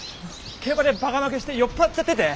競馬でバカ負けして酔っ払っちゃってて。